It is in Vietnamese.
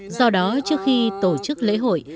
do đó trước khi tổ chức lễ hội